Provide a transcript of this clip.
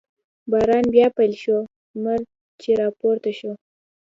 باران بیا پیل شو، لمر چې را پورته شو.